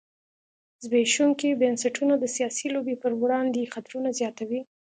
زبېښونکي بنسټونه د سیاسي لوبې پر وړاندې خطرونه زیاتوي.